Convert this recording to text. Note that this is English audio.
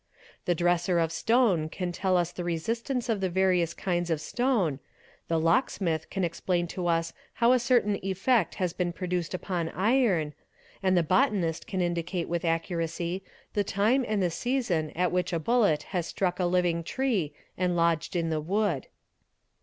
The dresser of stone can tell us the resistance of the various kinds of stone, the locksmith can explain to us how a certain effect has been produced upon iron, and the botanist can indicate with accuracy the time and the season at which a bullet has struck a living tree and lodged in the wood.